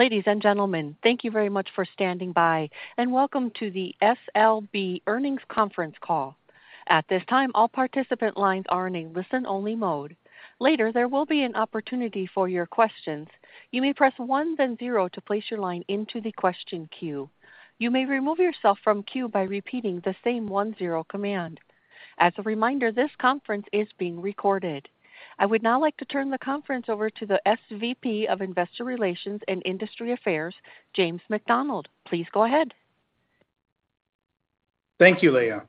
Ladies and gentlemen thank you very much for standing by, and welcome to the SLB earnings conference call. At this time, all participant lines are in a listen-only mode. Later, there will be an opportunity for your questions. You may press one then zero to place your line into the question queue. You may remove yourself from queue by repeating the same one zero command. As a reminder, this conference is being recorded. I would now like to turn the conference over to the SVP of Investor Relations and Industry Affairs James McDonald. Please go ahead. Thank you, Leah.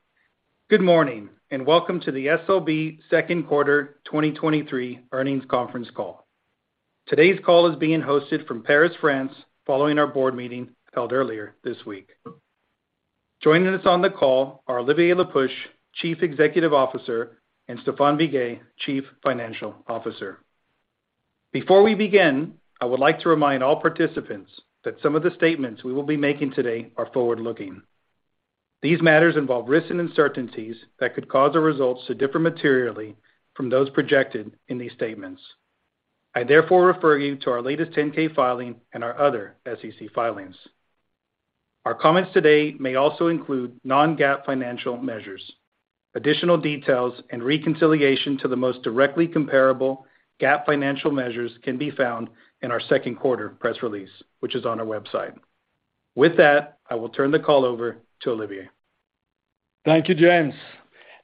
Good morning, and welcome to the SLB Q2 2023 earnings conference call. Today's call is being hosted from Paris, France, following our board meeting held earlier this week. Joining us on the call are Olivier Le Peuch, Chief Executive Officer, and Stephane Biguet, Chief Financial Officer. Before we begin, I would like to remind all participants that some of the statements we will be making today are forward-looking. These matters involve risks and uncertainties that could cause our results to differ materially from those projected in these statements. I therefore refer you to our latest ten K filing and our other SEC filings. Our comments today may also include non-GAAP financial measures. Additional details and reconciliation to the most directly comparable GAAP financial measures can be found in our Q2 press release, which is on our website. With that I will turn the call over to Olivier. Thank you, James.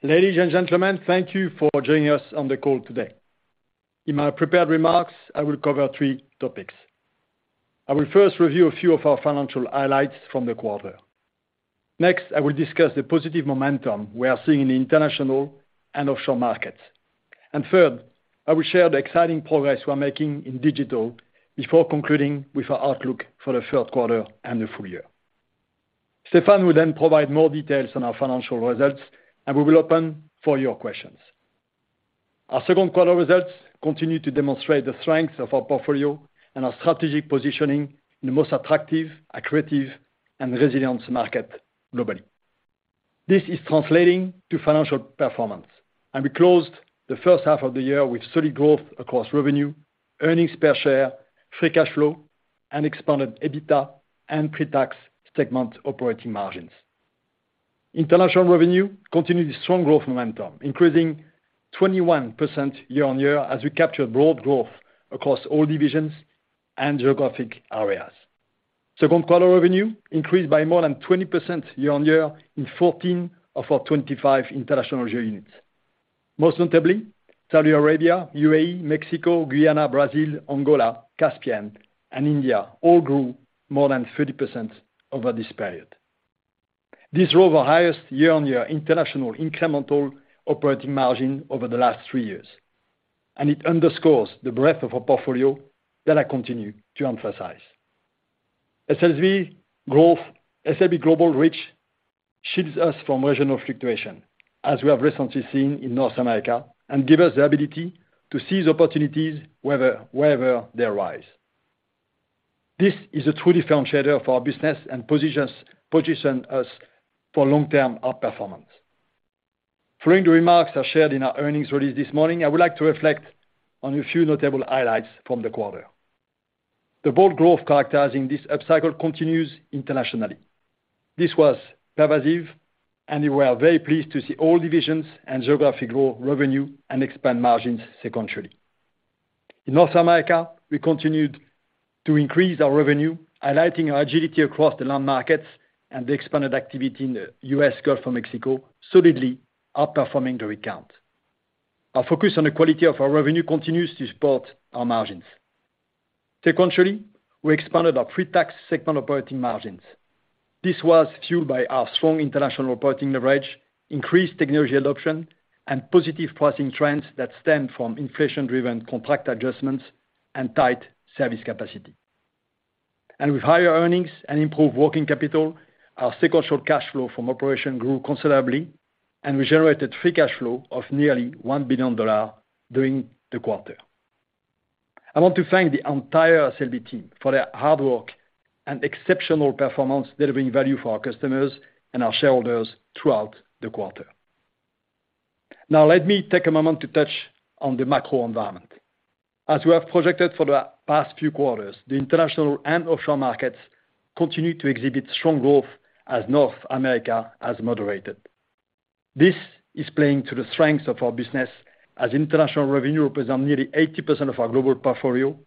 Ladies and gentlemen, thank you for joining us on the call today. In my prepared remarks, I will cover three topics. I will first review a few of our financial highlights from the quarter. Next, I will discuss the positive momentum we are seeing in the international and offshore markets. Third, I will share the exciting progress we're making in digital before concluding with our outlook for the Q3 and the full year. Stephane will then provide more details on our financial results, and we will open for your questions. Our Q2 results continue to demonstrate the strength of our portfolio and our strategic positioning in the most attractive, accretive, and resilient market globally. This is translating to financial performance. We closed the H1 of the year with steady growth across revenue, earnings per share, free cash flow, and expanded EBITDA and pre-tax segment operating margins. International revenue continued its strong growth momentum, increasing 21% year-on-year as we captured broad growth across all divisions and geographic areas. Q2 revenue increased by more than 20% year-on-year in 14 of our 25 international units. Most notably, Saudi Arabia, UAE, Mexico, Guyana, Brazil, Angola, Caspian, and India all grew more than 30% over this period. This drove our highest year-on-year international incremental operating margin over the last three years. It underscores the breadth of our portfolio that I continue to emphasize. SLB growth SLB global reach shields us from regional fluctuation, as we have recently seen in North America, and give us the ability to seize opportunities wherever they arise. This is a true differentiator for our business and positions us for long-term outperformance. Following the remarks I shared in our earnings release this morning, I would like to reflect on a few notable highlights from the quarter. The bold growth characterizing this upcycle continues internationally. This was pervasive, and we are very pleased to see all divisions and geographic grow revenue and expand margins sequentially. In North America, we continued to increase our revenue, highlighting our agility across the land markets and the expanded activity in the U.S. Gulf of Mexico, solidly outperforming the rig count. Our focus on the quality of our revenue continues to support our margins. Sequentially, we expanded our pre-tax segment operating margins. This was fueled by our strong international reporting leverage, increased technology adoption, and positive pricing trends that stem from inflation-driven contract adjustments and tight service capacity. With higher earnings and improved working capital, our sequential cash flow from operation grew considerably, and we generated free cash flow of nearly $1 billion during the quarter. I want to thank the entire SLB team for their hard work and exceptional performance, delivering value for our customers and our shareholders throughout the quarter. Let me take a moment to touch on the macro environment. As we have projected for the past few quarters, the international and offshore markets continue to exhibit strong growth as North America has moderated. This is playing to the strengths of our business, as international revenue represents nearly 80% of our global portfolio,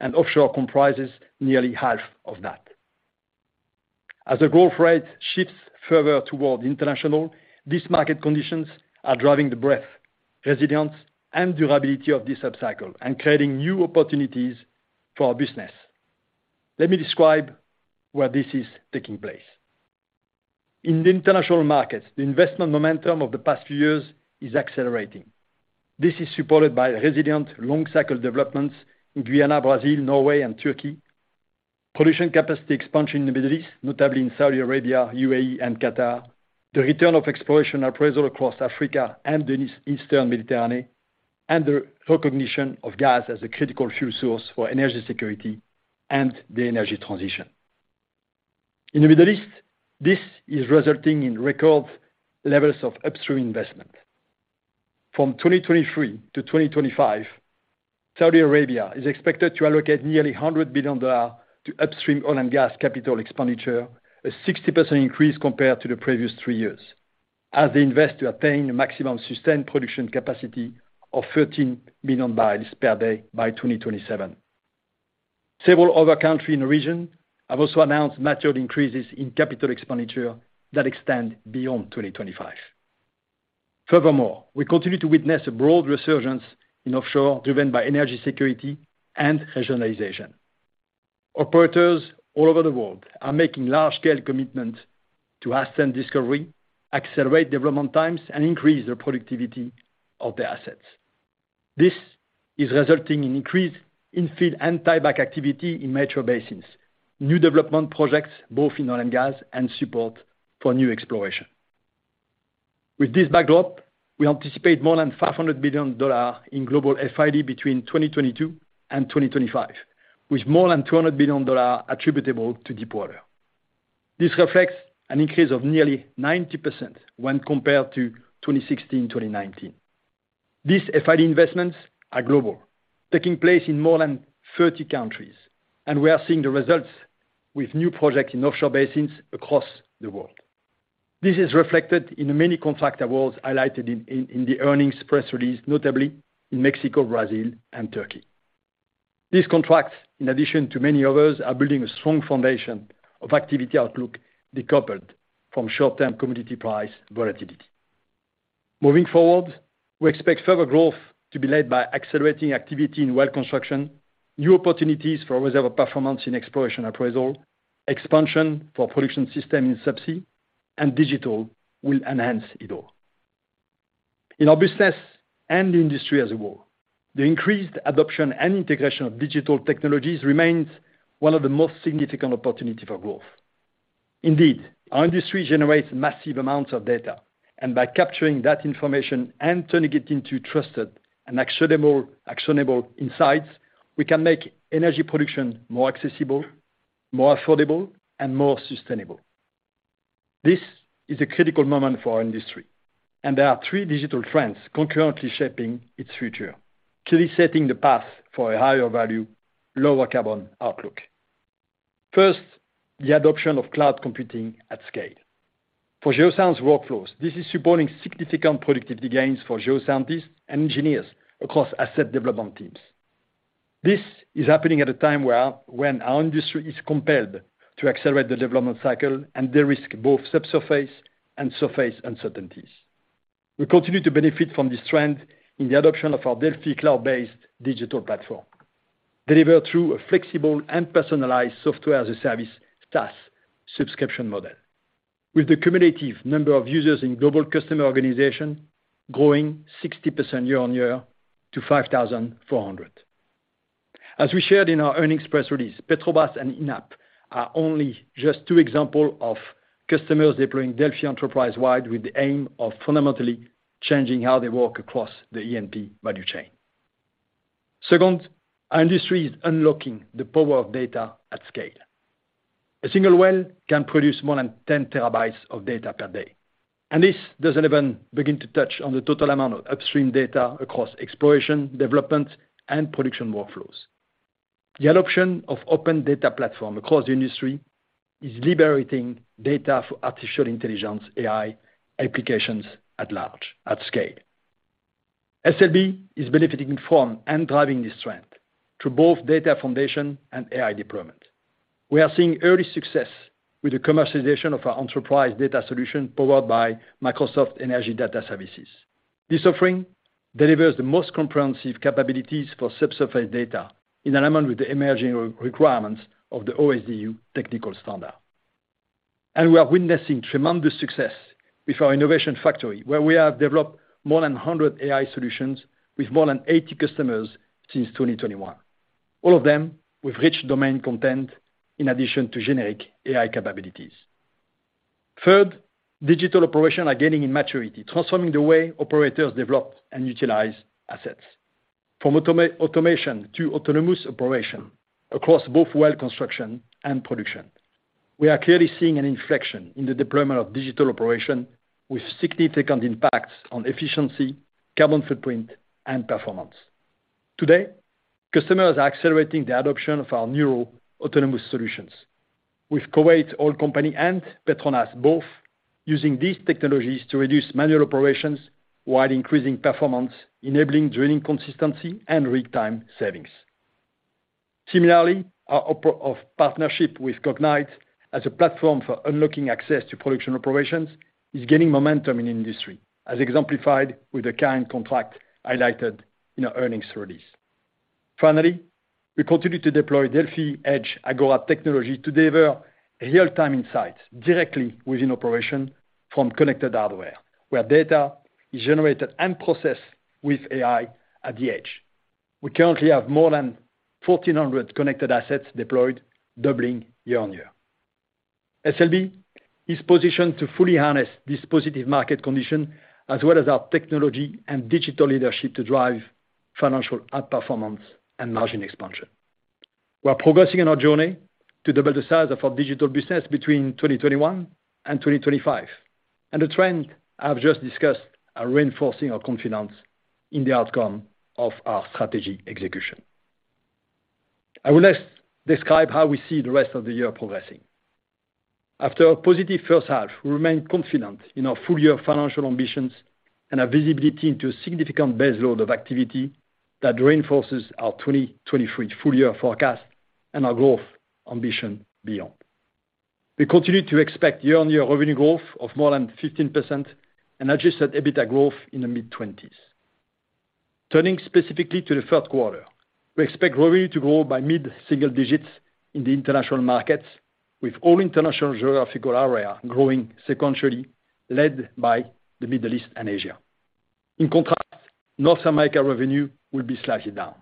and offshore comprises nearly half of that. As the growth rate shifts further toward international, these market conditions are driving the breadth, resilience, and durability of this upcycle and creating new opportunities for our business. Let me describe where this is taking place. In the international markets, the investment momentum of the past few years is accelerating. This is supported by resilient long cycle developments in Guyana, Brazil, Norway, and Turkey, production capacity expansion in the Middle East, notably in Saudi Arabia, UAE, and Qatar, the return of exploration appraisal across Africa and the Eastern Mediterranean, and the recognition of gas as a critical fuel source for energy security and the energy transition. In the Middle East, this is resulting in record levels of upstream investment. From 2023-2025, Saudi Arabia is expected to allocate nearly $100 billion to upstream oil and gas capital expenditure, a 60% increase compared to the previous 3 years, as they invest to attain a maximum sustained production capacity of 13 million barrels per day by 2027. Several other country in the region have also announced matured increases in capital expenditure that extend beyond 2025. Furthermore, we continue to witness a broad resurgence in offshore, driven by energy security and regionalization. Operators all over the world are making large-scale commitments to ascend discovery, accelerate development times, and increase the productivity of their assets. This is resulting in increased in-field and tieback activity in metro basins, new development projects, both in oil and gas, and support for new exploration. With this backdrop, we anticipate more than $500 billion in global FID between 2022 and 2025, with more than $200 billion attributable to deepwater. This reflects an increase of nearly 90% when compared to 2016, 2019. These FID investments are global, taking place in more than 30 countries, we are seeing the results with new projects in offshore basins across the world. This is reflected in the many contract awards highlighted in the earnings press release, notably in Mexico, Brazil, and Turkey. These contracts, in addition to many others, are building a strong foundation of activity outlook, decoupled from short-term community price volatility. Moving forward, we expect further growth to be led by accelerating activity in well construction, new opportunities for reservoir performance in exploration appraisal, expansion for production systems in subsea, digital will enhance it all. In our business and the industry as a whole, the increased adoption and integration of digital technologies remains one of the most significant opportunity for growth. Indeed, our industry generates massive amounts of data, and by capturing that information and turning it into trusted and actionable insights, we can make energy production more accessible, more affordable, and more sustainable. This is a critical moment for our industry. There are three digital trends concurrently shaping its future, clearly setting the path for a higher value, lower carbon outlook. First, the adoption of cloud computing at scale. For geoscience workflows, this is supporting significant productivity gains for geoscientists and engineers across asset development teams. This is happening at a time when our industry is compelled to accelerate the development cycle and de-risk both subsurface and surface uncertainties. We continue to benefit from this trend in the adoption of our Delfi cloud-based digital platform, delivered through a flexible and personalized Software as a Service, SaaS, subscription model. With the cumulative number of users in global customer organization growing 60% year-over-year to 5,400. As we shared in our earnings press release, Petrobras and ENAP are only just two example of customers deploying Delfi enterprise-wide, with the aim of fundamentally changing how they work across the E&P value chain. Second, our industry is unlocking the power of data at scale. A single well can produce more than 10 TB of data per day, and this doesn't even begin to touch on the total amount of upstream data across exploration, development, and production workflows. The adoption of open data platform across the industry is liberating data for artificial intelligence, AI, applications at large, at scale. SLB is benefiting from and driving this trend through both data foundation and AI deployment. We are seeing early success with the commercialization of our enterprise data solution, powered by Microsoft Energy Data Services. This offering delivers the most comprehensive capabilities for subsurface data, in alignment with the emerging requirements of the OSDU Technical Standard. We are witnessing tremendous success with our Innovation Factori, where we have developed more than 100 AI solutions with more than 80 customers since 2021. All of them with rich domain content in addition to generic AI capabilities. Third, digital operations are gaining in maturity, transforming the way operators develop and utilize assets, from automation to autonomous operation across both well construction and production. We are clearly seeing an inflection in the deployment of digital operation, with significant impacts on efficiency, carbon footprint, and performance. Today, customers are accelerating the adoption of our Neuro autonomous solutions, with Kuwait Oil Company and PETRONAS both using these technologies to reduce manual operations while increasing performance, enabling drilling consistency and rig time savings. Similarly, our partnership with Cognite as a platform for unlocking access to production operations is gaining momentum in the industry, as exemplified with the Cairn contract highlighted in our earnings release. We continue to deploy Delfi Edge Agora technology to deliver real-time insights directly within operation from connected hardware, where data is generated and processed with AI at the edge. We currently have more than 1,400 connected assets deployed, doubling year-on-year. SLB is positioned to fully harness this positive market condition, as well as our technology and digital leadership to drive financial outperformance and margin expansion. We are progressing in our journey to double the size of our digital business between 2021 and 2025, and the trend I have just discussed are reinforcing our confidence in the outcome of our strategy execution. I will next describe how we see the rest of the year progressing. After a positive H1, we remain confident in our full year financial ambitions and our visibility into a significant base load of activity that reinforces our 2023 full year forecast and our growth ambition beyond. We continue to expect year-on-year revenue growth of more than 15% and adjusted EBITDA growth in the mid-20s. Turning specifically to the Q3, we expect revenue to grow by mid-single digits in the international markets, with all international geographical area growing sequentially, led by the Middle East and Asia. In contrast, North America revenue will be slightly down.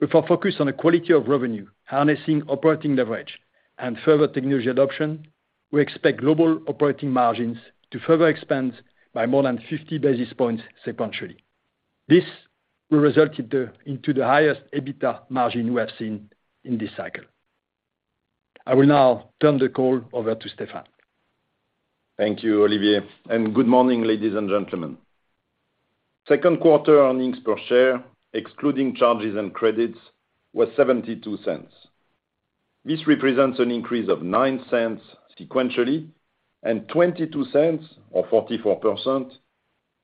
With our focus on the quality of revenue, harnessing operating leverage, and further technology adoption, we expect global operating margins to further expand by more than 50 basis points sequentially. This will result into the highest EBITDA margin we have seen in this cycle. I will now turn the call over to Stephane. Thank you, Olivier, and good morning, ladies and gentlemen. Q2 earnings per share, excluding charges and credits, was $0.72. This represents an increase of $0.09 sequentially, and $0.22, or 44%,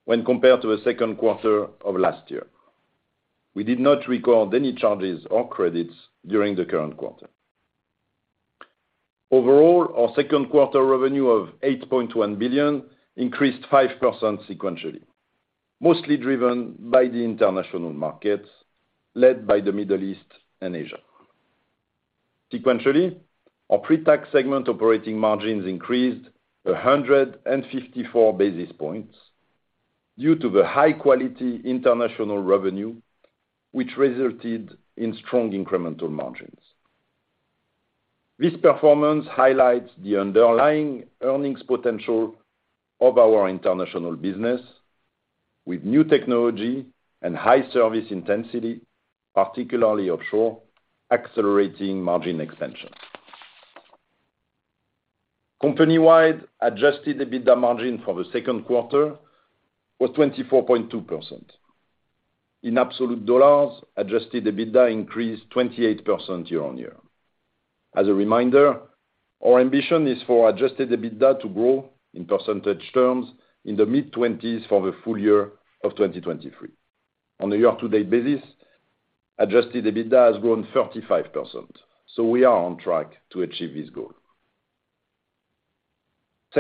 when compared to the Q2 of last year. We did not record any charges or credits during the current quarter. Overall, our Q2 revenue of $8.1 billion increased 5% sequentially, mostly driven by the international markets, led by the Middle East and Asia. Sequentially, our pre-tax segment operating margins increased 154 basis points due to the high-quality international revenue, which resulted in strong incremental margins. This performance highlights the underlying earnings potential of our international business with new technology and high service intensity, particularly offshore, accelerating margin expansion. Company-wide adjusted EBITDA margin for the Q2 was 24.2%. In absolute dollars, adjusted EBITDA increased 28% year-on-year. As a reminder, our ambition is for adjusted EBITDA to grow in percentage terms in the mid-twenties for the full year of 2023. On a year-to-date basis, adjusted EBITDA has grown 35%. We are on track to achieve this goal.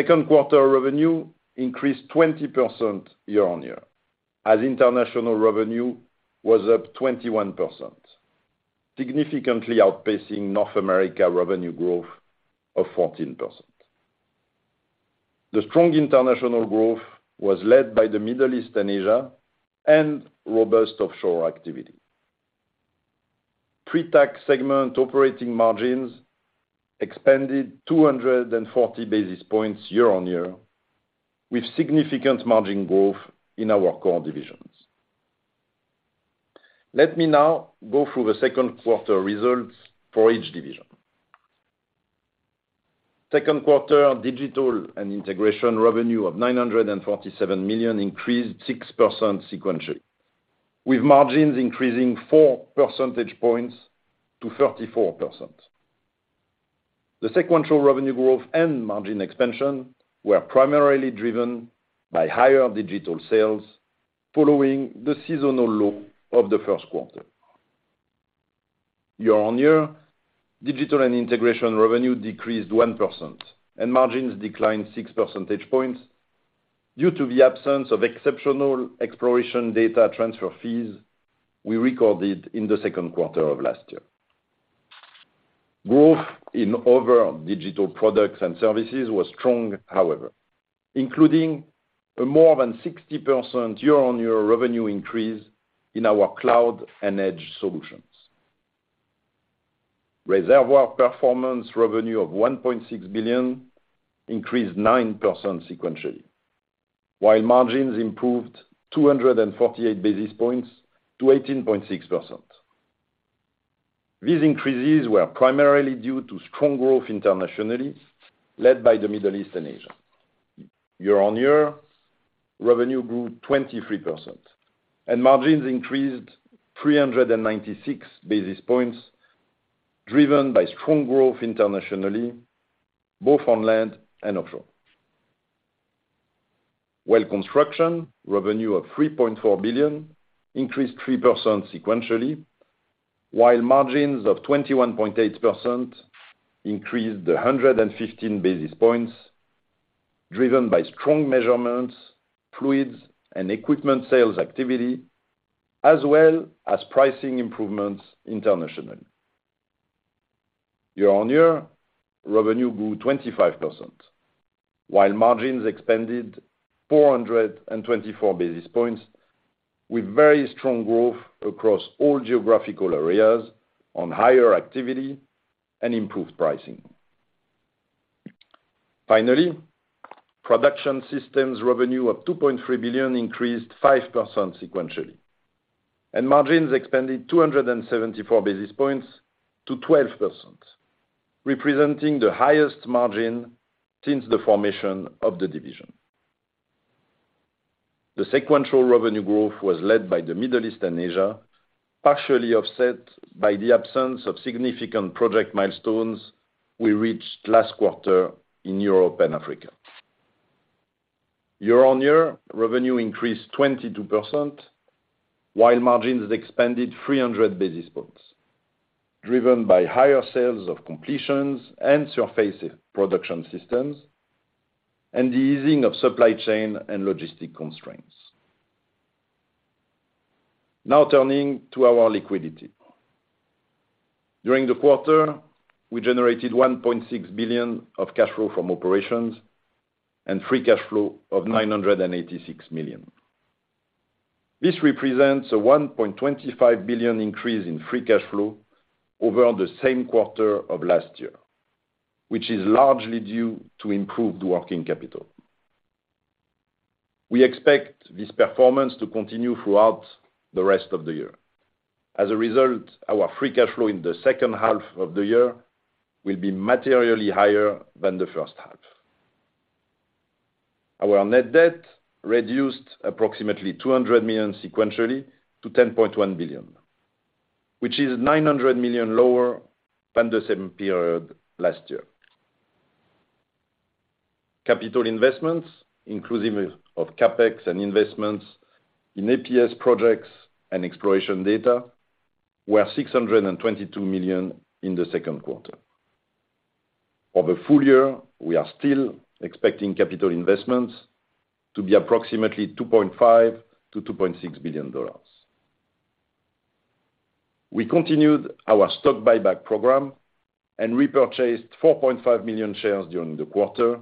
Q2 revenue increased 20% year-on-year, as international revenue was up 21%, significantly outpacing North America revenue growth of 14%. The strong international growth was led by the Middle East and Asia, and robust offshore activity. Pre-tax segment operating margins expanded 240 basis points year-on-year, with significant margin growth in our core divisions. Let me now go through the Q2 results for each division. Q2 Digital & Integration revenue of $947 million increased 6% sequentially, with margins increasing 4 percentage points to 34%. The sequential revenue growth and margin expansion were primarily driven by higher digital sales following the seasonal low of the Q1. Year-on-year, digital and integration revenue decreased 1%, and margins declined 6 percentage points due to the absence of exceptional exploration data transfer fees we recorded in the Q2 of last year. Growth in other digital products and services was strong, however, including a more than 60% year-on-year revenue increase in our cloud and edge solutions. Reservoir performance revenue of $1.6 billion increased 9% sequentially, while margins improved 248 basis points to 18.6%. These increases were primarily due to strong growth internationally, led by the Middle East and Asia. Year-on-year, revenue grew 23%, and margins increased 396 basis points, driven by strong growth internationally, both on land and offshore. Well construction revenue of $3.4 billion increased 3% sequentially, while margins of 21.8% increased 115 basis points, driven by strong measurements, fluids, and equipment sales activity, as well as pricing improvements internationally. Year-on-year, revenue grew 25%, while margins expanded 424 basis points with very strong growth across all geographical areas on higher activity and improved pricing. Finally, production systems revenue of $2.3 billion increased 5% sequentially, and margins expanded 274 basis points to 12%, representing the highest margin since the formation of the division. The sequential revenue growth was led by the Middle East and Asia, partially offset by the absence of significant project milestones we reached last quarter in Europe and Africa. Year-on-year, revenue increased 22%, while margins expanded 300 basis points, driven by higher sales of completions and surface production systems, and the easing of supply chain and logistic constraints. Turning to our liquidity. During the quarter, we generated $1.6 billion of cash flow from operations and free cash flow of $986 million. This represents a $1.25 billion increase in free cash flow over the same quarter of last year, which is largely due to improved working capital. We expect this performance to continue throughout the rest of the year. Our free cash flow in the H2 of the year will be materially higher than the H1. Our net debt reduced approximately $200 million sequentially to $10.1 billion, which is $900 million lower than the same period last year. Capital investments, inclusive of CapEx and investments in APS projects and exploration data, were $622 million in the Q2. Over full year, we are still expecting capital investments to be approximately $2.5 billion-$2.6 billion. We continued our stock buyback program and repurchased 4.5 million shares during the quarter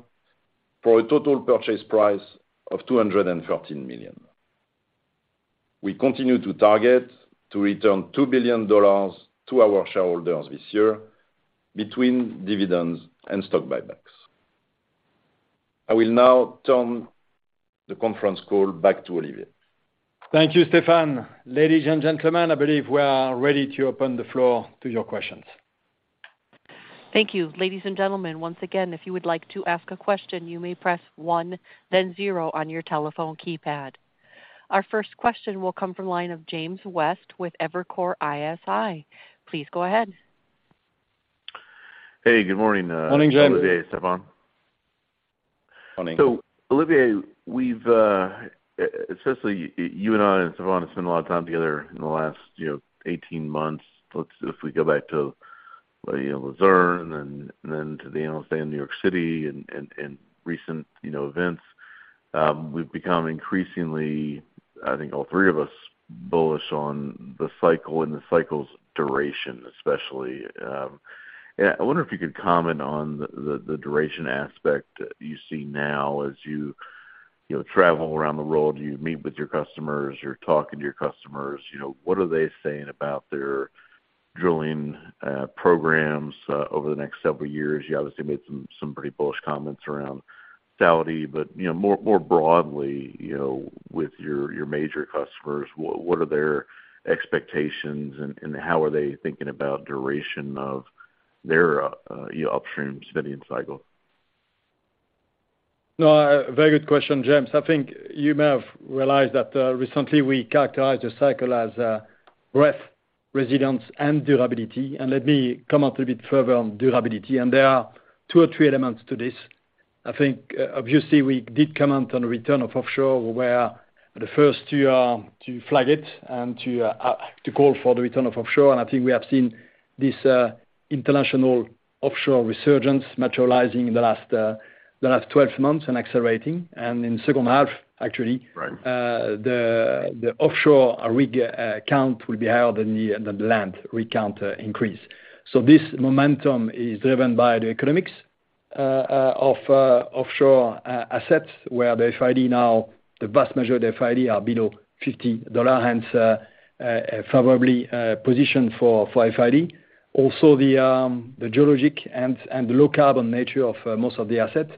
for a total purchase price of $213 million. We continue to target to return $2 billion to our shareholders this year between dividends and stock buybacks. I will now turn the conference call back to Olivier. Thank you, Stephane. Ladies and gentlemen, I believe we are ready to open the floor to your questions. Thank you. Ladies and gentlemen, once again, if you would like to ask a question you may press one then zero on your telephone keypad. Our first question will come from line of James West with Evercore ISI. Please go ahead. Hey, good morning. Morning, James. Olivier, Stephane. Morning. Olivier we've especially you and I and Stephane have spent a lot of time together in the last you know 18 months. Let's if we go back to you know Luzern and then to the Analyst Day in New York city and recent, you know events we've become increasingly, I think all three of us, bullish on the cycle and the cycle's duration, especially. And I wonder if you could comment on the duration aspect you see now as you know, travel around the world, you meet with your customers, you're talking to your customers, you know, what are they saying about their drilling programs over the next several years? You obviously made some pretty bullish comments around Saudi, but you know more broadly you know with your major customers, what are their expectations and how are they thinking about duration of their, you know, upstream spending cycle? No, very good question, James. I think you may have realized that recently we characterized the cycle as breadth, resilience, and durability. Let me comment a little bit further on durability, and there are two or three elements to this. I think, obviously, we did comment on the return of offshore. We were the first to flag it and to call for the return of offshore and I think we have seen this international offshore resurgence materializing in the last 12 months and accelerating. In the H2 actually. Right The offshore rig count will be higher than the land rig count increase. This momentum is driven by the economics of offshore assets, where the FID now, the vast majority of FID are below $50, hence favorably positioned for FID. Also, the geologic and the low carbon nature of most of the assets,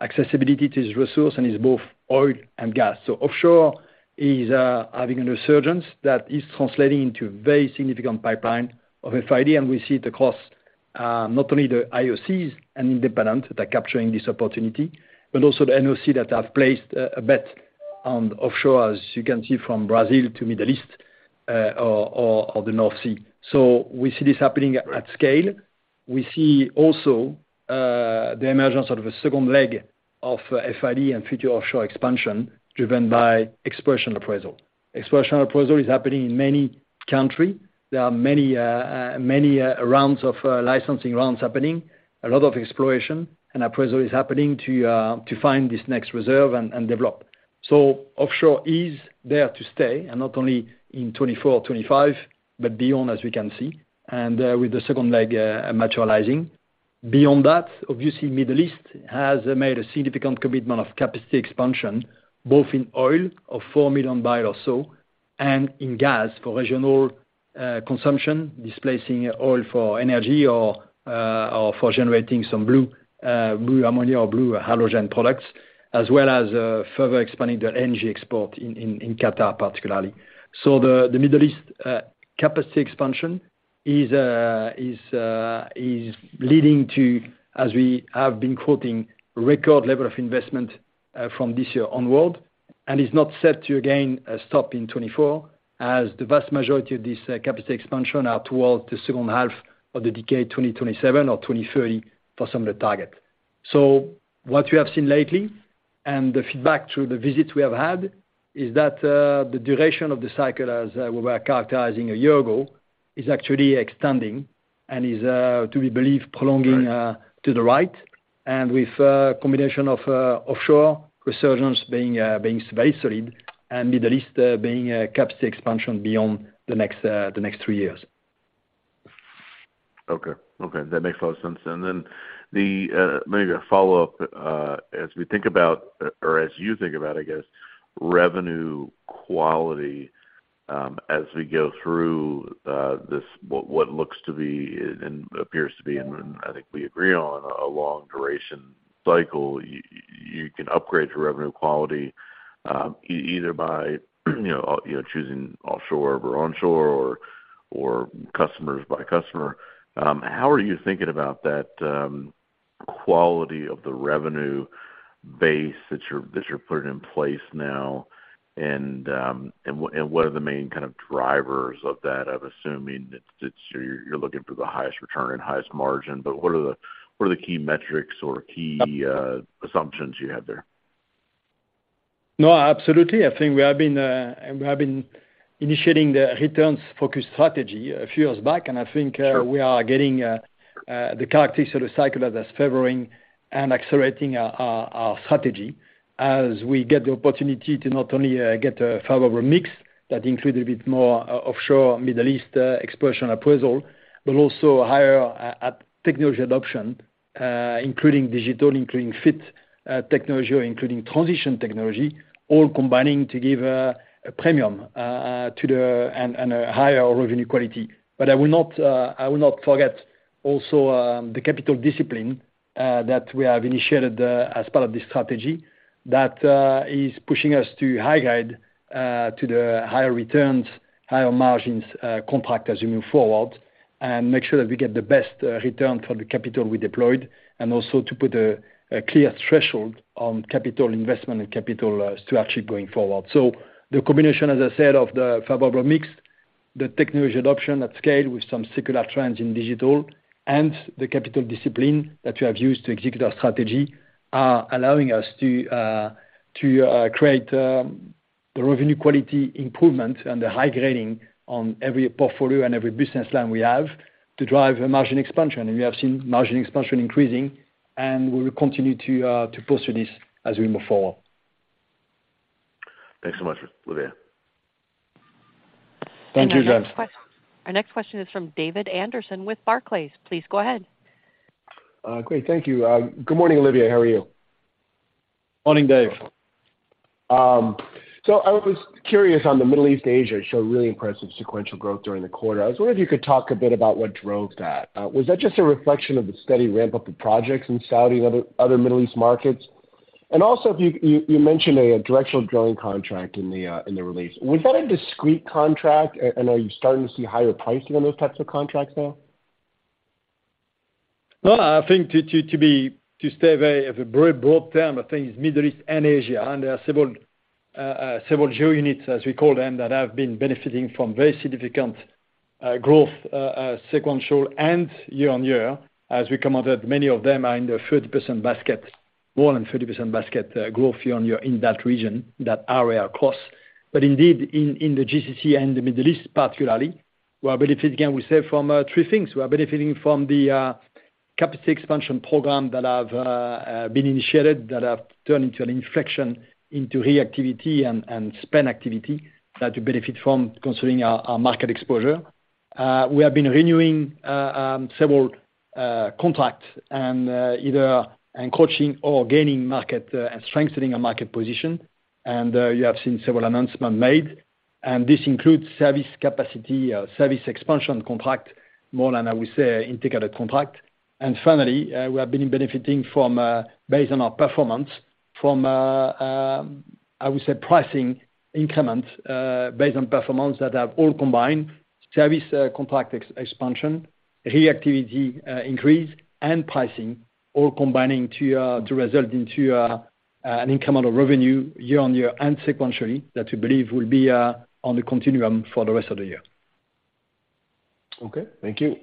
accessibility to this resource, and is both oil and gas. Offshore is having a resurgence that is translating into a very significant pipeline of FID, and we see it across not only the IOCs and independents that are capturing this opportunity, but also the NOC that have placed a bet on offshore, as you can see from Brazil to Middle East or the North Sea. We see this happening at scale. We see also the emergence of a second leg of FID and future offshore expansion driven by exploration appraisal. Exploration appraisal is happening in many country. There are many rounds of licensing rounds happening, a lot of exploration and appraisal is happening to find this next reserve and develop. Offshore is there to stay, and not only in 2024, 2025, but beyond, as we can see, and with the second leg materializing. Beyond that, obviously, Middle East has made a significant commitment of capacity expansion, both in oil of four million barrels or so, and in gas for regional consumption, displacing oil for energy or for generating some blue ammonia or blue hydrogen products, as well as further expanding their energy export in Qatar, particularly. The Middle East capacity expansion is leading to, as we have been quoting, record level of investment from this year onward, and is not set to again stop in 2024, as the vast majority of this capacity expansion are towards the H2 of the decade, 2027 or 2030 for some of the target. What we have seen lately, and the feedback through the visits we have had, is that the duration of the cycle as we were characterizing a year ago, is actually extending and is, to be believed, prolonging to the right, and with combination of offshore resurgence being very solid and Middle East being capacity expansion beyond the next three years. Okay. Okay, that makes a lot of sense. Then the maybe a follow-up as we think about, or as you think about I guess, revenue quality, as we go through this what looks to be and appears to be and I think we agree on a long duration cycle you can upgrade your revenue quality either by you know you know choosing offshore or onshore or customers by customer. How are you thinking about that quality of the revenue base that you're putting in place now? What are the main kind of drivers of that? I'm assuming it's you're looking for the highest return and highest margin, but what are the key metrics or key assumptions you have there? No, absolutely. I think we have been initiating the returns focused strategy a few years back. Sure We are getting the characteristic of the cycle that's favoring and accelerating our strategy as we get the opportunity to not only get a favorable mix that include a bit more offshore Middle East expression appraisal, but also higher technology adoption, including digital, including fit technology, or including transition technology, all combining to give a premium to the and a higher revenue quality. I will not I will not forget also the capital discipline that we have initiated as part of this strategy, that is pushing us to high guide to the higher returns, higher margins, contract as we move forward, and make sure that we get the best return for the capital we deployed, and also to put a clear threshold on capital investment and capital strategy going forward. The combination, as I said, of the favorable mix, the technology adoption at scale with some secular trends in digital, and the capital discipline that we have used to execute our strategy, are allowing us to create the revenue quality improvement and the high grading on every portfolio and every business line we have to drive a margin expansion. We have seen margin expansion increasing, and we will continue to foster this as we move forward. Thanks so much, Olivier. Thank you, James. Our next question is from David Anderson with Barclays. Please go ahead. Great, thank you. Good morning, Olivier. How are you? Morning, Dave. I was curious on the Middle East Asia showed really impressive sequential growth during the quarter. I was wondering if you could talk a bit about what drove that? Was that just a reflection of the steady ramp up of projects in Saudi and other Middle East markets? Also if you mentioned a directional drilling contract in the release. Was that a discrete contract and are you starting to see higher pricing on those types of contracts now? Well, I think to be, to stay at a very broad term, I think it's Middle East and Asia. There are several geo units, as we call them, that have been benefiting from very significant growth, sequential and year-on-year. As we commented, many of them are in the 30% basket, more than 30% basket growth year-on-year in that region, that area across. Indeed, in the GCC and the Middle East particularly, we are benefiting, again, we say from three things. We are benefiting from the capacity expansion program that have been initiated, that have turned into an inflection into reactivity and spend activity that you benefit from considering our market exposure. We have been renewing several contracts and either encroaching or gaining market and strengthening our market position. You have seen several announcements made, and this includes service capacity, service expansion contract more than I would say integrated contract. Finally, we have been benefiting from based on our performance, from I would say pricing increment based on performance that have all combined service contract expansion, reactivity increase, and pricing, all combining to result into an incremental revenue year-on-year and sequentially, that we believe will be on the continuum for the rest of the year. Okay, thank you.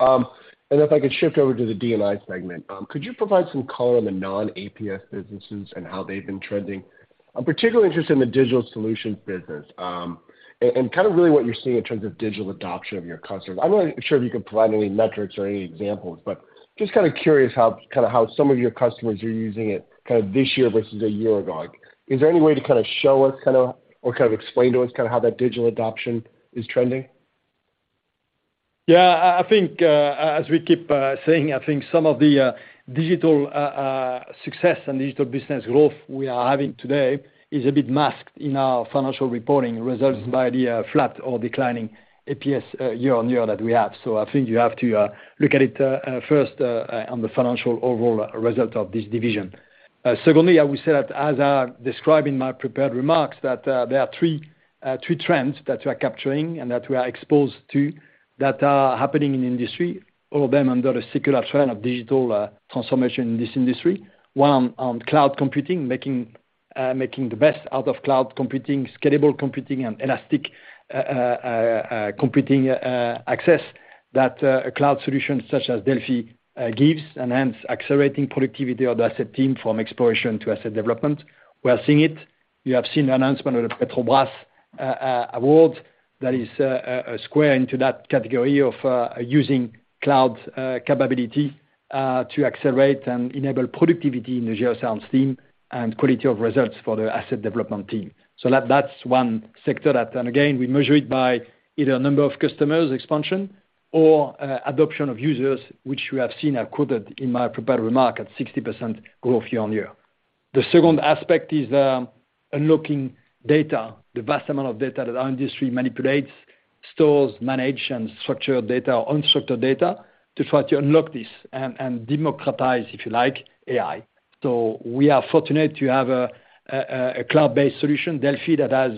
If I could shift over to the D&I segment. Could you provide some color on the non-APS businesses and how they've been trending? I'm particularly interested in the digital solutions business, and kind of really what you're seeing in terms of digital adoption of your customers. I'm not sure if you can provide any metrics or any examples but just curious how some of your customers are using it this year versus a year ago. Like is there any way to show us or explain to us how that digital adoption is trending? Yeah, I think, as we keep saying, I think some of the digital success and digital business growth we are having today is a bit masked in our financial reporting results by the flat or declining APS year-on-year that we have. I think you have to look at it first on the financial overall result of this division. Secondly, I will say that as I described in my prepared remarks, that there are three trends that we are capturing and that we are exposed to, that are happening in industry, all of them under a secular trend of digital transformation in this industry. One on cloud computing making the best out of cloud computing, scalable computing, and elastic computing access that a cloud solution such as Delfi gives, and hence accelerating productivity of the asset team from exploration to asset development. We are seeing it. You have seen the announcement of the Petrobras award. That is a square into that category of using cloud capability to accelerate and enable productivity in the geoscience team and quality of results for the asset development team. That's one sector that. Again, we measure it by either number of customers expansion or adoption of users, which we have seen, I quoted in my prepared remark, at 60% growth year-on-year. The second aspect is unlocking data, the vast amount of data that our industry manipulates, stores, manage, and structured data, unstructured data, to try to unlock this and democratize if you like AI. We are fortunate to have a cloud-based solution, Delfi, that has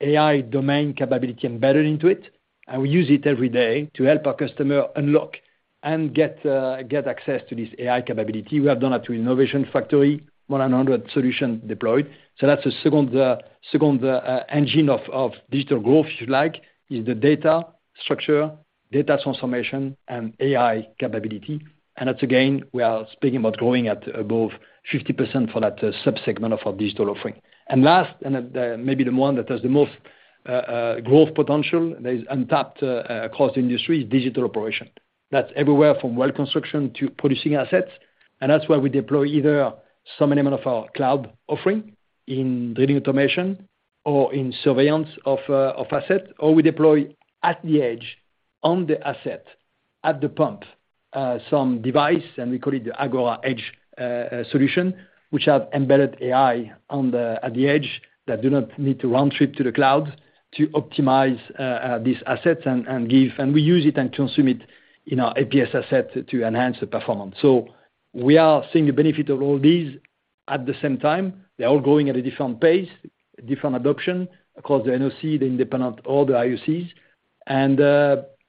AI domain capability embedded into it and we use it every day to help our customer unlock and get access to this AI capability. We have done up to Innovation Factori, 100 solutions deployed. That's the second engine of digital growth if you like is the data structure data transformation and AI capability. That's again, we are speaking about growing at above 50% for that sub-segment of our digital offering. and maybe the one that has the most growth potential, that is untapped across the industry, is digital operation. That's everywhere from Well Construction to producing assets. That's why we deploy either some element of our cloud offering in drilling automation or in surveillance of assets, or we deploy at the edge, on the asset, at the pump, some device and we call it the Agora Edge solution which have embedded AI at the edge, that do not need to round trip to the cloud to optimize these assets. We use it and consume it in our APS asset to enhance the performance. We are seeing the benefit of all these at the same time. They're all growing at a different pace different adoption across the NOC, the independent, all the IOCs.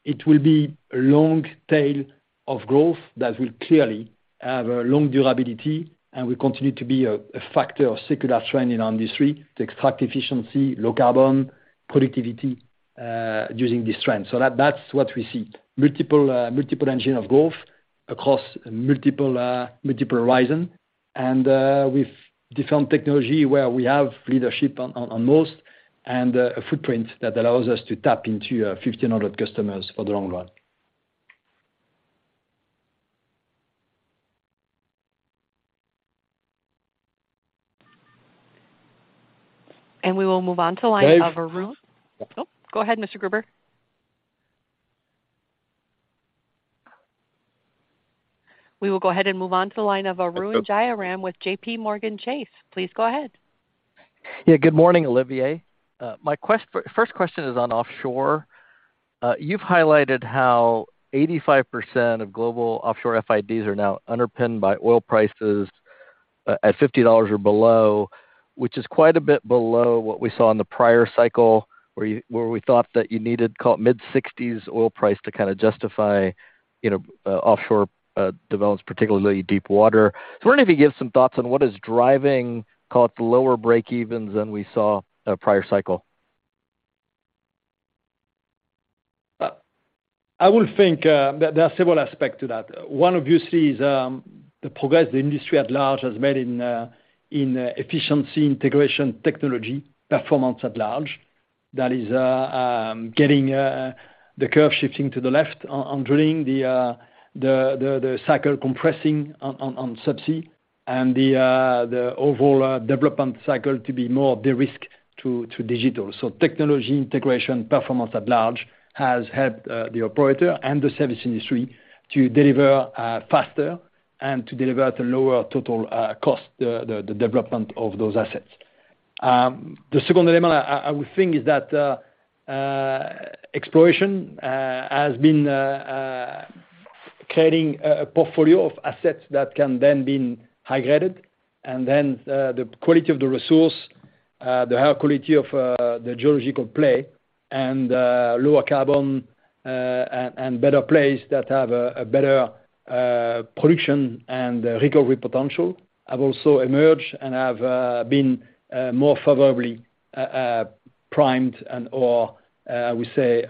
It will be a long tail of growth that will clearly have a long durability and will continue to be a factor of secular trend in our industry to extract efficiency, low carbon, productivity, using this trend. That's what we see. Multiple, multiple engine of growth across multiple horizon, and with different technology where we have leadership on most, and a footprint that allows us to tap into 1,500 customers for the long run. We will move on to line of Dave? Go ahead, Mr. Gruber. We will go ahead and move on to the line of Arun Jayaram with J.P. Morgan Chase. Please go ahead. Yeah, good morning, Olivier. My first question is on offshore. You've highlighted how 85% of global offshore FIDs are now underpinned by oil prices at $50 or below which is quite a bit below what we saw in the prior cycle where we thought that you needed call it mid-60s oil price to kinda justify you know offshore developments particularly deep water. I was wondering if you could give some thoughts on what is driving call it the lower break-evens than we saw prior cycle? I would think, there are several aspects to that. One, obviously, is, the progress the industry at large has made in efficiency, integration, technology, performance at large. That is, getting the curve shifting to the left on drilling, the cycle compressing on subsea and the overall development cycle to be more de-risked to digital. Technology integration performance at large has helped the operator and the service industry to deliver faster and to deliver at a lower total cost, the development of those assets. The second element I would think is that exploration has been creating a portfolio of assets that can then been high-graded, and then the quality of the resource, the high quality of the geological play and lower carbon, and better plays that have a better production and recovery potential, have also emerged and have been more favorably primed and, or, we say,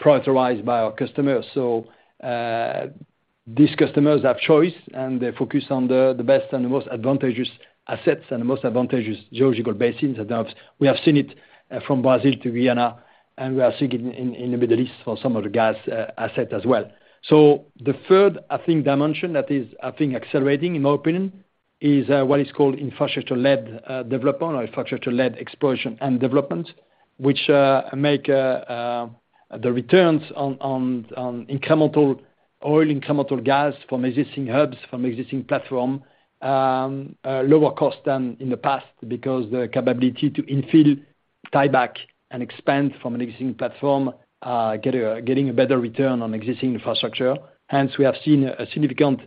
prioritized by our customers. These customers have choice, and they focus on the best and the most advantageous assets and the most advantageous geological basins. We have seen it, from Brazil to Guyana, and we are seeing it in the Middle East for some of the gas asset as well. The third, I think dimension that is I think accelerating in my opinion. is what is called infrastructure-led development or infrastructure-led exploration and development, which make the returns on incremental oil, incremental gas from existing hubs, from existing platform, a lower cost than in the past because the capability to infill, tie back, and expand from an existing platform, getting a better return on existing infrastructure. Hence, we have seen a significant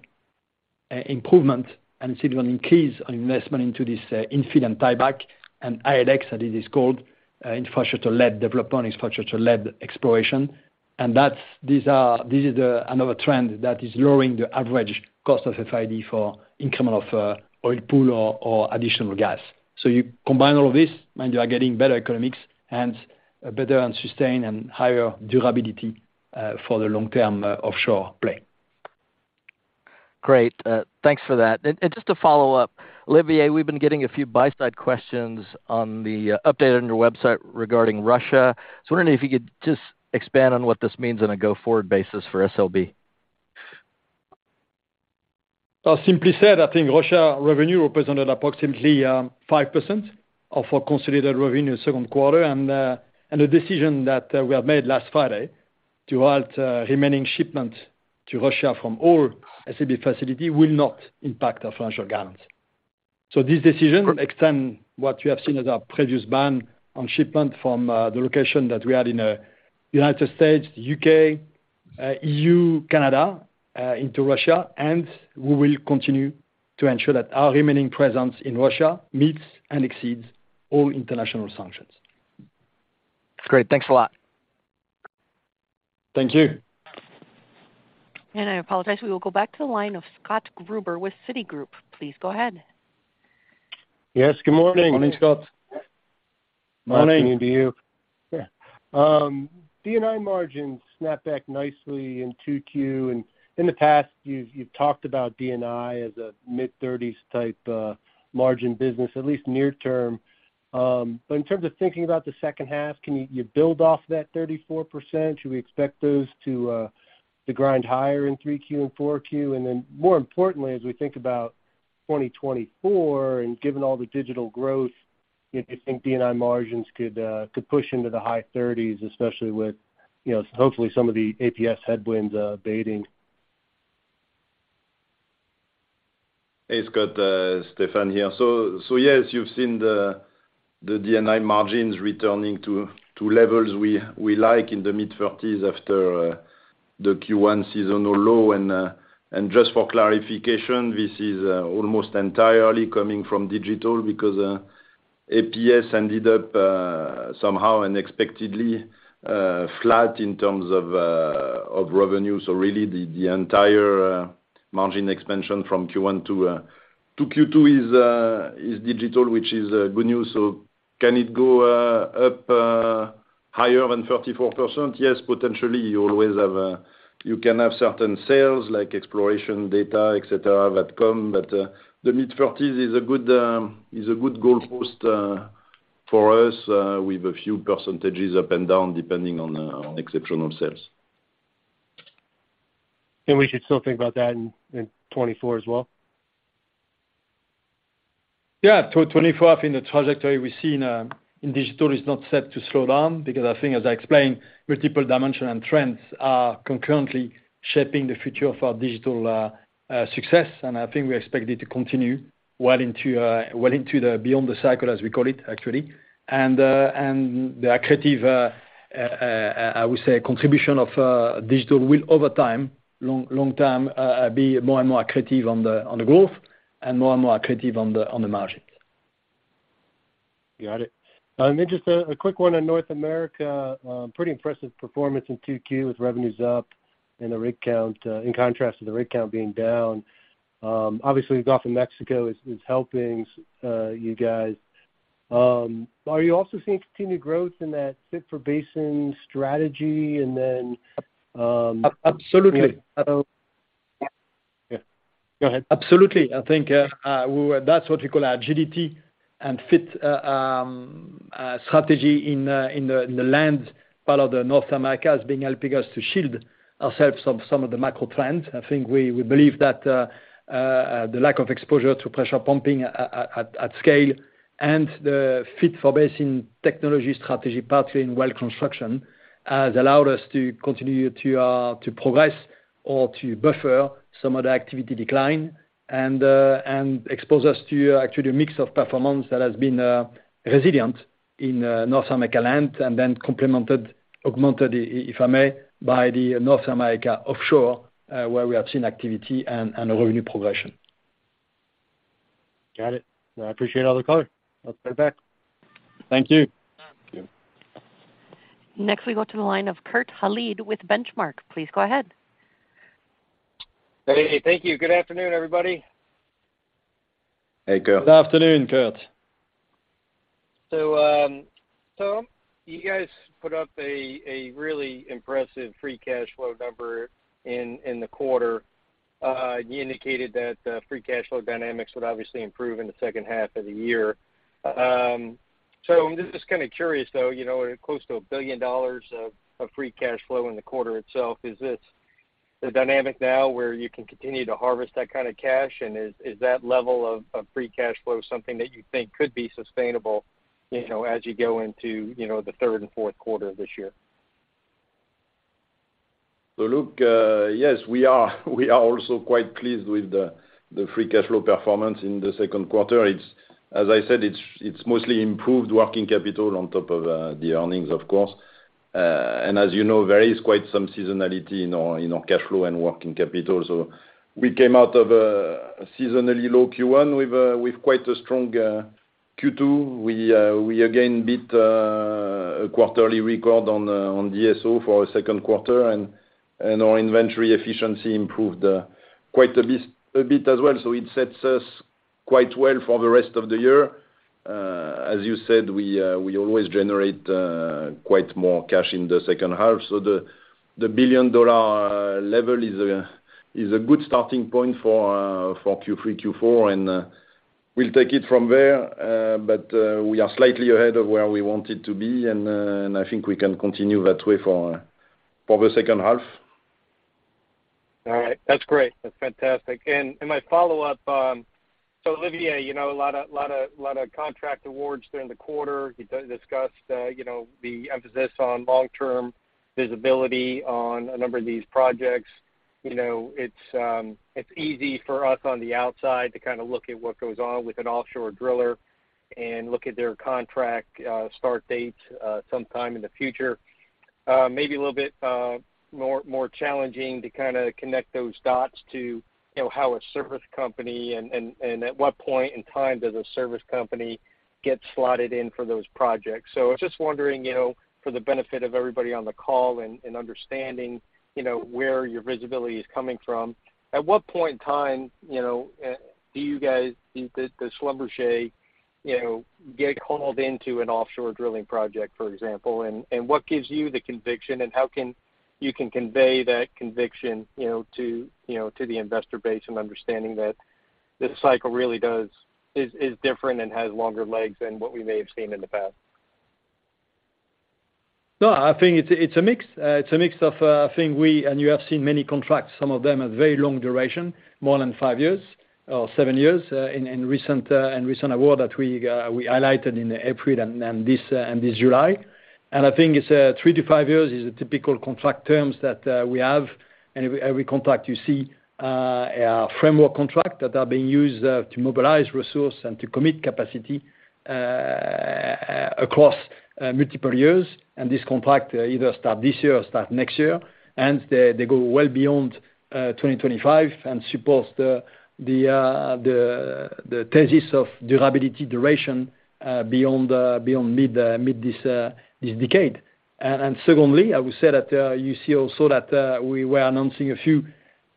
improvement and significant increase on investment into this infill and tieback and ILX as it is called infrastructure-led development, infrastructure-led exploration. That's these are this is another trend that is lowering the average cost of FID for incremental oil pool or additional gas. You combine all of this, and you are getting better economics and a better and sustained and higher durability for the long-term offshore play. Great. Thanks for that. Just to follow up, Olivier, we've been getting a few buy-side questions on the update on your website regarding Russia. I'm wondering if you could just expand on what this means on a go-forward basis for SLB? Well, simply said, I think Russia revenue represented approximately 5% of our consolidated revenue Q2. The decision that we have made last Friday to halt remaining shipment to Russia from all SLB facility will not impact our financial guidance. This decision extend what we have seen as our previous ban on shipment from the location that we had in United States, U.K., EU, Canada, into Russia, and we will continue to ensure that our remaining presence in Russia meets and exceeds all international sanctions. That's great. Thanks a lot. Thank you. I apologize we will go back to the line of Scott Gruber with Citigroup. Please go ahead. Yes, good morning. Morning, Scott. Morning. Good morning to you. Yeah. D&I margins snapped back nicely in Q2, and in the past, you've talked about DNI as a mid-30s type margin business, at least near term. But in terms of thinking about the H2, can you build off that 34%? Should we expect those to grind higher in Q3 and Q4? Then more importantly as we think about 2024 and given all the digital growth if you think D&I margins could push into the high 30s especially with you know hopefully some of the APS headwinds fading. Hey, Scott, Stephane here. Yes, you've seen the DNI margins returning to levels we like in the mid-30s after the Q1 seasonal low. Just for clarification, this is almost entirely coming from digital because APS ended up somehow unexpectedly flat in terms of revenue. Really the entire margin expansion from Q1 to Q2 is digital which is good news. Can it go up higher than 34%? Yes potentially. You always have a you can have certain sales like exploration data et cetera that come. The mid-30s is a good goalpost for us with a few percentages up and down depending on exceptional sales. We should still think about that in 2024 as well? Yeah, 2024, I think the trajectory we've seen in digital is not set to slow down. Because I think as I explained, multiple dimension and trends are concurrently shaping the future of our digital success. I think we expect it to continue well into the beyond the cycle as we call it, actually. The accretive, I would say contribution of digital will, over time, long term, be more and more accretive on the growth and more and more accretive on the margin. Got it. Just a quick one on North America. Pretty impressive performance in Q2 with revenues up and the rig count in contrast to the rig count being down. Obviously, the Gulf of Mexico is helping you guys. Are you also seeing continued growth in that fit-for-basin strategy, and then? Absolutely. Yeah. Go ahead. Absolutely. I think we that's what we call agility and fit strategy in the land part of North America has been helping us to shield ourselves from some of the macro trends. I think we believe that the lack of exposure to pressure pumping at scale and the fit-for-basin technology strategy partly in well construction has allowed us to continue to progress or to buffer some of the activity decline and expose us to actually a mix of performance that has been resilient in North America land and then complemented augmented if I may by the North America offshore where we have seen activity and revenue progression. Got it. I appreciate all the color. I'll stay back. Thank you. Next, we go to the line of Kurt Hallead with Benchmark. Please go ahead. Hey, thank you. Good afternoon, everybody. Hey, Kurt. Good afternoon, Kurt. You guys put up a really impressive free cash flow number in the quarter. You indicated that free cash flow dynamics would obviously improve in the H2 of the year. I'm just kind of curious, though, you know, close to $1 billion of free cash flow in the quarter itself, is this the dynamic now where you can continue to harvest that kind of cash? Is that level of free cash flow something that you think could be sustainable, you know, as you go into, you know, the Q3 and Q4 of this year? Look yes we are also quite pleased with the free cash flow performance in the Q2. It's as I said it's mostly improved working capital on top of the earnings of course. As you know there is quite some seasonality in our cash flow and working capital. We came out of a seasonally low Q1 with a quite a strong Q2. We again beat a quarterly record on DSO for our Q2, and our inventory efficiency improved quite a bit as well. It sets us quite well for the rest of the year. As you said, we always generate quite more cash in the H2. The $1 billion level is a good starting point for Q3, Q4, and we'll take it from there. We are slightly ahead of where we wanted to be and I think we can continue that way for the H2. All right. That's great. That's fantastic. My follow-up, Olivier you know a lot of contract awards during the quarter. You discussed, you know, the emphasis on long-term visibility on a number of these projects. You know, it's easy for us on the outside to kind of look at what goes on with an offshore driller and look at their contract start date sometime in the future. Maybe a little bit more challenging to kinda connect those dots to, you know, how a service company and at what point in time does a service company get slotted in for those projects? I was just wondering, you know, for the benefit of everybody on the call and understanding you know where your visibility is coming from at what point in time you know do you guys do the Schlumberger you know get called into an offshore drilling project for example? What gives you the conviction and how can you convey that conviction you know to you know to the investor base and understanding that this cycle really does is different and has longer legs than what we may have seen in the past? No, I think it's a mix. It's a mix of, I think we, and you have seen many contracts, some of them have very long duration, more than five years or seven years, in recent award that we highlighted in April and this July. I think it's 3-5 years is the typical contract terms that we have. Every contract you see a framework contract that are being used to mobilize resource and to commit capacity across multiple years. This contract either start this year or start next year, and they go well beyond 2025 and supports the thesis of durability, duration, beyond mid this decade. Secondly, I would say that, you see also that we were announcing a few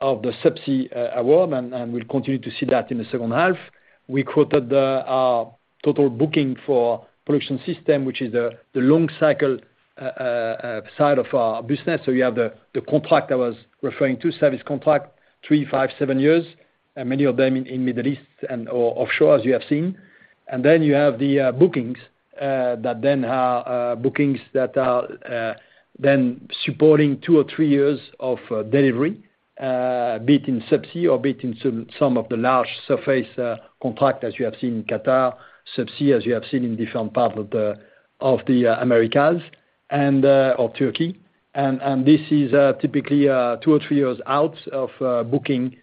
of the subsea, award, and we'll continue to see that in the H2. We quoted, our total booking for production systems, which is the long cycle, side of our business. You have the contract I was referring to, service contract, three, five, seven years, and many of them in Middle East and or offshore, as you have seen. You have the bookings that then are supporting two or three years of delivery, be it in subsea or be it in some of the large surface contract, as you have seen in Qatar, subsea, as you have seen in different parts of the Americas or Turkey. This is typically two or three years out of booking.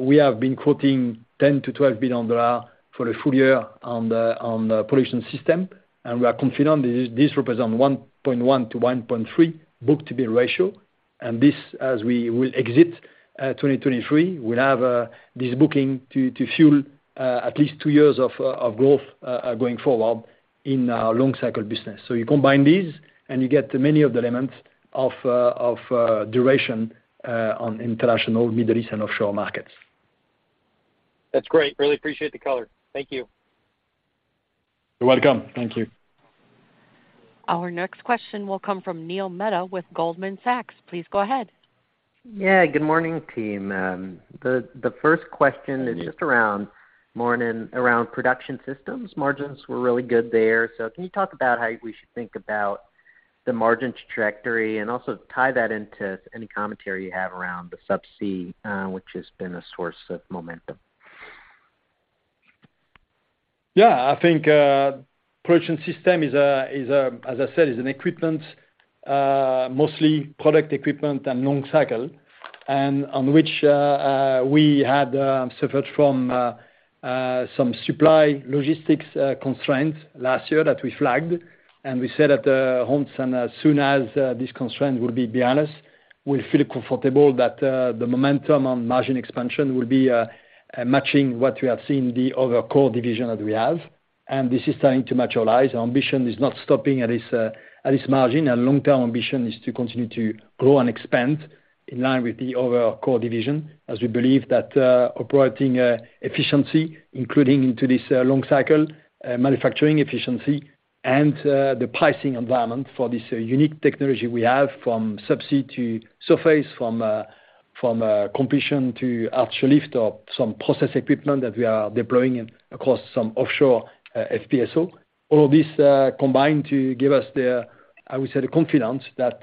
We have been quoting $10 billion-$12 billion for a full year on the production systems. We are confident that this represent 1.1-1.3 book-to-bill ratio. This as we will exit 2023 we'll have this booking to fuel at least two years of growth going forward in our long cycle business. You combine these and you get many of the elements of duration on international, Middle East and offshore markets. That's great. Really appreciate the color. Thank you. You're welcome. Thank you. Our next question will come from Neil Mehta with Goldman Sachs. Please go ahead. Yeah, good morning, team. Good morning. Is just around more in around production systems. Margins were really good there. Can you talk about how we should think about the margin trajectory and also tie that into any commentary you have around the subsea which has been a source of momentum? Yeah. I think production systems is a as I said is an equipment mostly product equipment and long cycle on which we had suffered from some supply logistics constraints last year that we flagged. We said at the ][onset] as soon as this constraint will be behind us, we feel comfortable that the momentum on margin expansion will be matching what we have seen in the other core division that we have. This is starting to materialize. Our ambition is not stopping at this, at this margin. Our long-term ambition is to continue to grow and expand in line with the other core division, as we believe that operating efficiency, including into this long cycle, manufacturing efficiency and the pricing environment for this unique technology we have from subsea to surface from completion to actual lift or some process equipment that we are deploying in, across some offshore FPSO. All this combined to give us the, I would say, the confidence that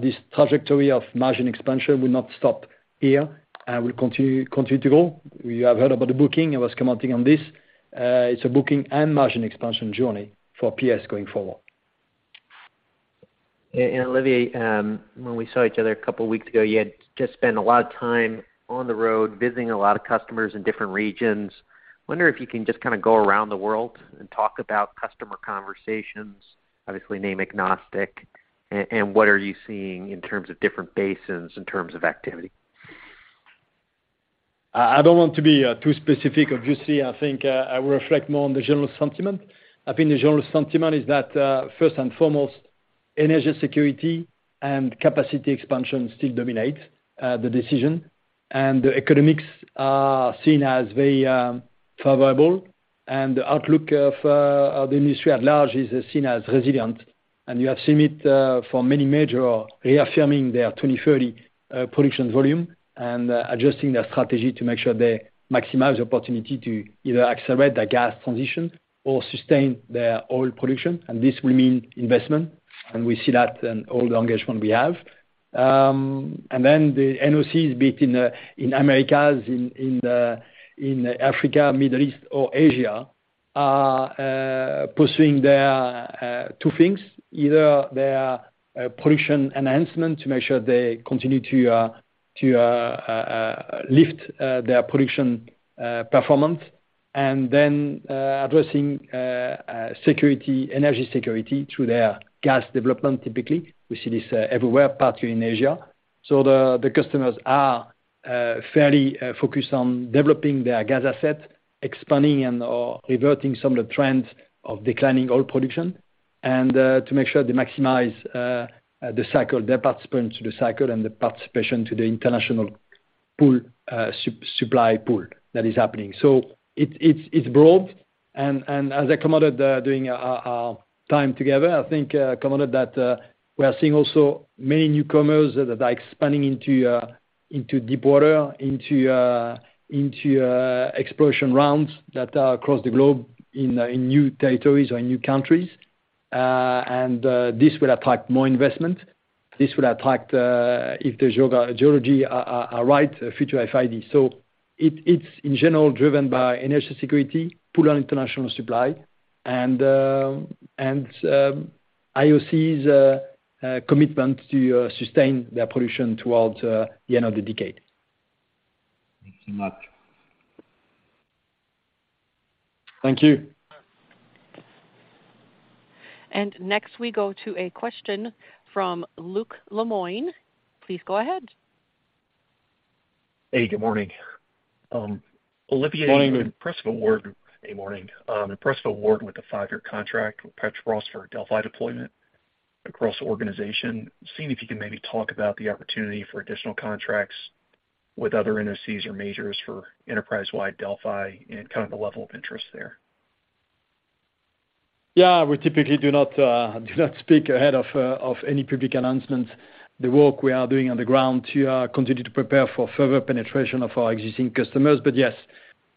this trajectory of margin expansion will not stop here and will continue to go. You have heard about the booking I was commenting on this. It's a booking and margin expansion journey for PS going forward. Olivier, when we saw each other a couple weeks ago you had just spent a lot of time on the road visiting a lot of customers in different regions. Wonder if you can just kind of go around the world and talk about customer conversations obviously name agnostic, and what are you seeing in terms of different basins in terms of activity? I don't want to be too specific. Obviously, I think I will reflect more on the general sentiment. I think the general sentiment is that first and foremost, energy security and capacity expansion still dominate the decision. The economics are seen as very favorable, and the outlook of the industry at large is seen as resilient. You have seen it for many major reaffirming their 2030 production volume and adjusting their strategy to make sure they maximize the opportunity to either accelerate their gas transition or sustain their oil production. This will mean investment and we see that in all the engagement we have. Then the NOCs, be it in Americas, in Africa, Middle East, or Asia, are pursuing their two things: either their production enhancement to make sure they continue to lift their production performance and then addressing energy security through their gas development typically. We see this everywhere, particularly in Asia. The customers are fairly focused on developing their gas asset, expanding and or reverting some of the trends of declining oil production, and to make sure they maximize the cycle, their participation to the cycle, and the participation to the international pool supply pool that is happening. It's broad. As I commented, during our time together, I think, commented that, we are seeing also many newcomers that are expanding into deep water, into, exploration rounds that are across the globe, in new territories or in new countries. This will attract more investment. This will attract, if the geology are right, future FID. It's in general driven by energy security, pool on international supply, and IOCs commitment to sustain their production towards the end of the decade. Thanks so much. Thank you. Next, we go to a question from Luke Lemoine. Please go ahead. Hey, good morning. Morning. Hey, morning. Impressive award with the five-year contract with Petrobras for Delfi deployment across the organization. Seeing if you can maybe talk about the opportunity for additional contracts with other NOCs or majors for enterprise-wide Delfi and kind of the level of interest there? Yeah. We typically do not speak ahead of any public announcements the work we are doing on the ground to continue to prepare for further penetration of our existing customers. But yes,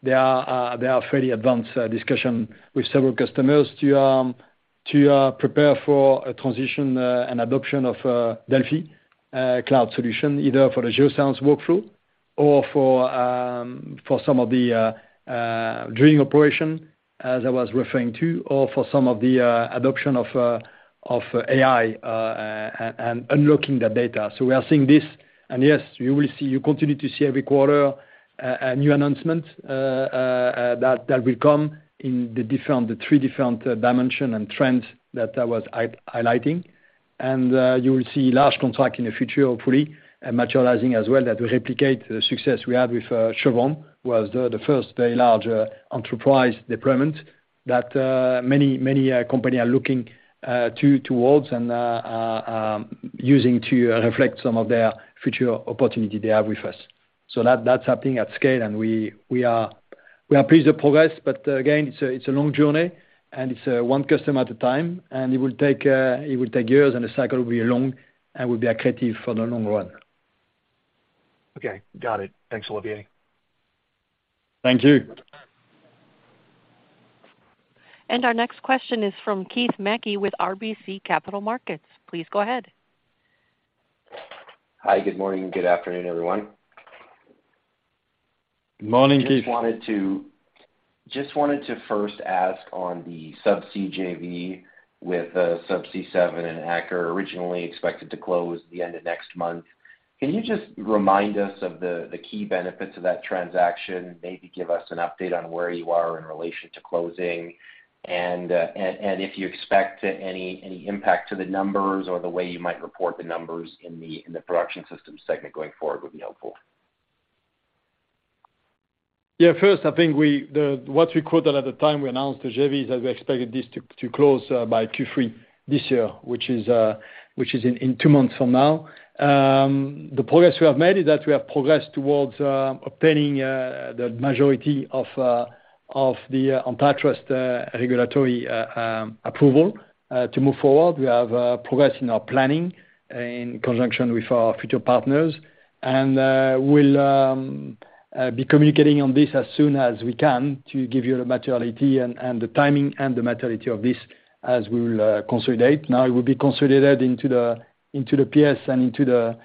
there are fairly advanced discussion with several customers to prepare for a transition and adoption of Delfi cloud solution, either for the geoscience workflow or for some of the drilling operation, as I was referring to or for some of the adoption of AI and unlocking the data. So we are seeing this and yes you will continue to see every quarter a new announcement that will come in the different, the three different dimension and trends that I was highlighting. You will see large contract in the future hopefully and materializing as well that will replicate the success we had with Chevron, who was the first very large enterprise deployment that many, many company are looking towards and using to reflect some of their future opportunity they have with us. That's happening at scale and we are pleased with progress but again it's a long journey and it's one customer at a time and it will take it will take years and the cycle will be long and will be accretive for the long run. Okay. Got it. Thanks, Olivier. Thank you. Our next question is from Keith Mackey with RBC Capital Markets. Please go ahead. Hi good morning and good afternoon, everyone. Good morning, Keith. Just wanted to first ask on the subsea JV with Subsea 7 and Aker originally expected to close the end of next month. Can you just remind us of the key benefits of that transaction? Maybe give us an update on where you are in relation to closing, and if you expect any impact to the numbers or the way you might report the numbers in the production systems segment going forward would be helpful? Yeah first I think what we quoted at the time we announced the JV is that we expected this to close by Q3 this year, which is in two months from now. The progress we have made is that we have progressed towards obtaining the majority of the antitrust regulatory approval to move forward. We have progressed in our planning in conjunction with our future partners, and we'll be communicating on this as soon as we can to give you the materiality and the timing and the materiality of this as we will consolidate. Now it will be consolidated into the PS and into the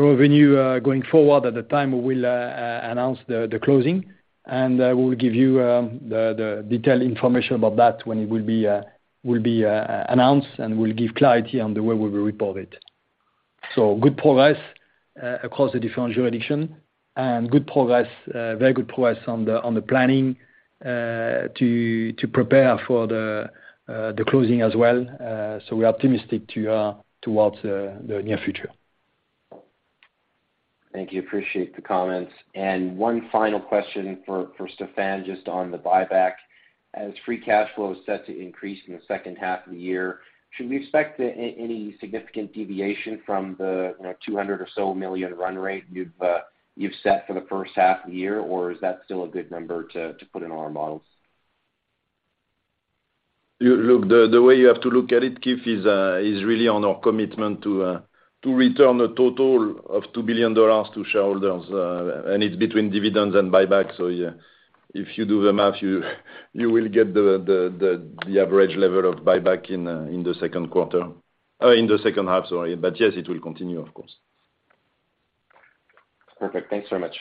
revenue going forward at the time we will announce the closing. We'll give you the detailed information about that when it will be announced and we'll give clarity on the way we will report it. Good progress across the different jurisdiction and good progress very good progress on the planning to prepare for the closing as well. We're optimistic towards the near future. Thank you. Appreciate the comments. One final question for Stephane just on the buyback. As free cash flow is set to increase in the H2 of the year, should we expect any significant deviation from the you know $200 million or so run rate you've set for the H1 of the year? Is that still a good number to put in our models? Look the way you have to look at it Keith is really on our commitment to return a total of $2 billion to shareholders and it's between dividends and buyback. Yeah if you do the math you will get the average level of buyback in the Q2 in the H2 sorry yes it will continue of course. Perfect. Thanks so much.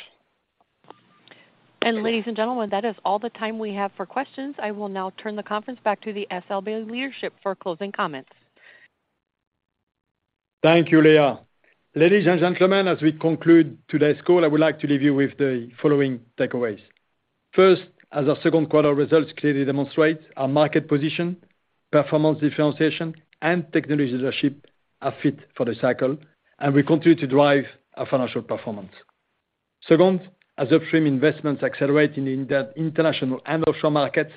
Ladies and gentlemen that is all the time we have for questions. I will now turn the conference back to the SLB leadership for closing comments. Thank you, Leah. Ladies and gentlemen as we conclude today's call, I would like to leave you with the following takeaways. First, as our Q2 results clearly demonstrate, our market position, performance differentiation and technology leadership are fit for the cycle, and we continue to drive our financial performance. Second, as upstream investments accelerate in the international and offshore markets,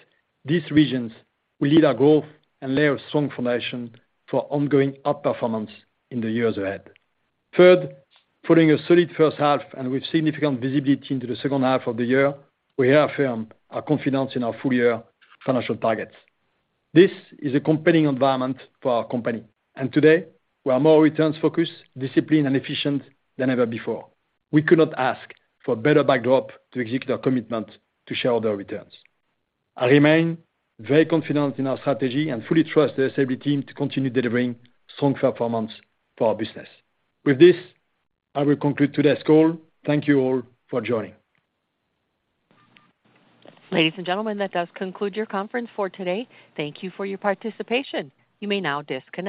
these regions will lead our growth and lay a strong foundation for ongoing outperformance in the years ahead. Third, following a solid H1 and with significant visibility into the H2 of the year, we affirm our confidence in our full-year financial targets. This is a compelling environment for our company, and today, we are more returns focused, disciplined, and efficient than ever before. We could not ask for a better backdrop to execute our commitment to shareholder returns. I remain very confident in our strategy and fully trust the SLB team to continue delivering strong performance for our business. With this, I will conclude today's call. Thank you all for joining. Ladies and gentlemen, that does conclude your conference for today. Thank you for your participation. You may now disconnect.